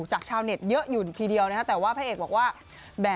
จากชาวเน็ตเยอะหยุดทีเดียวนะแต่ว่าพระเอกบอกว่า